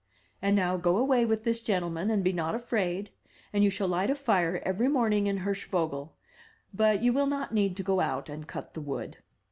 And now go away with this gentleman, and be not afraid, and you shall light a fire every morning in Hirschvogel, but you will not need to go out and cut the wood.''